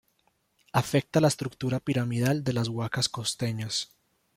Afecta la estructura piramidal de las huacas costeñas.